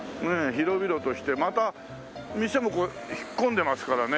広々としてまた店も引っ込んでますからね。